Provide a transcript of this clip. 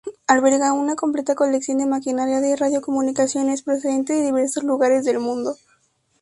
Alberga una completa colección de maquinaria de radiocomunicaciones procedente de diversos lugares del mundo.